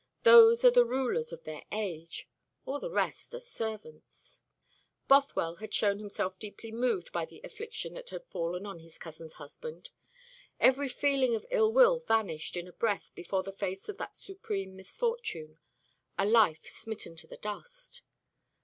Those are the rulers of their age. All the rest are servants." Bothwell had shown himself deeply moved by the affliction that had fallen on his cousin's husband. Every feeling of ill will vanished in a breath before the face of that supreme misfortune a life smitten to the dust.